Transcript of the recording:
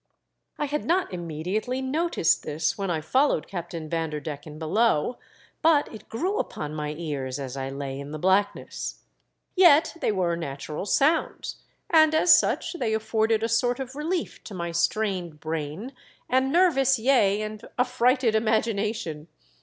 I had not immediately noticed this when I followed Captain Vanderdecken below, but it grew upon my ears as I lay in the blackness. Yet they were natural sounds, and as such they afforded a sort of relief to my strained brain and nervous, yea, and affrighted imagination.